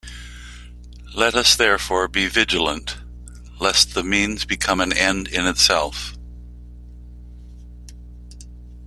Let us, therefore, be vigilant lest the means become an end in itself.